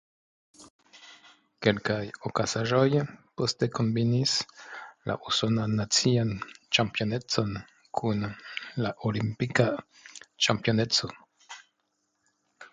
Kelkaj okazaĵoj poste kombinis la usonan nacian ĉampionecon kun la olimpika ĉampioneco.